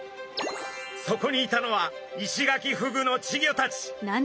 そこにいたのはイシガキフグの稚魚たち。